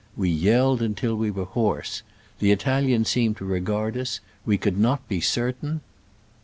We yelled until we were hoarse. The Italians seemed to regard us — we could not be certain.